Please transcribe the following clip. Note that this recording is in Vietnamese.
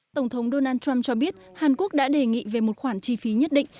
tổng thống donald trump cho biết hàn quốc đã đề nghị về một khoản chi phí nhất định